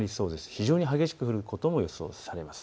非常に激しく降ることも予想されます。